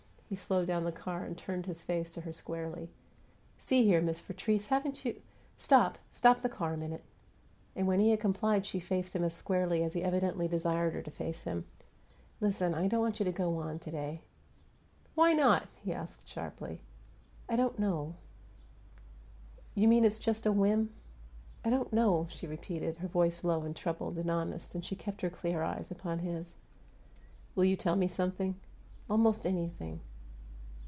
He slowed down the car and turned his face to her squarely. "See here, Miss Vertrees, haven't you " "Stop! Stop the car a minute." And when he had complied she faced him as squarely as he evidently desired her to face him. "Listen. I don't want you to go on, to day." "Why not?" he asked, sharply. "I don't know." "You mean it's just a whim?" "I don't know," she repeated. Her voice was low and troubled and honest, and she kept her clear eyes upon his. "Will you tell me something?" "Almost anything."